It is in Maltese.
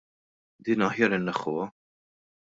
Din aħjar inneħħuha.